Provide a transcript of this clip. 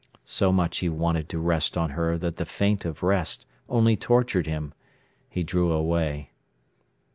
So much he wanted to rest on her that the feint of rest only tortured him. He drew away.